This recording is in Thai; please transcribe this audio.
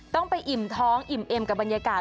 ต้องไปอิ่มท้องอิ่มเอ็มกับบรรยากาศ